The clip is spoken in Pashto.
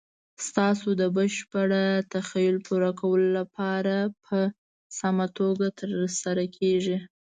ستاسو د بشپړ تخیل پوره کولو لپاره په سمه توګه تر سره کیږي.